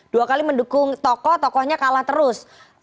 dua kali mendukung tokoh tokohnya kalah terus